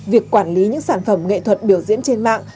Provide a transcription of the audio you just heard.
việc quản lý những sản phẩm nghệ thuật biểu diễn trên mạng